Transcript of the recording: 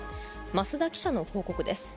増田記者の報告です。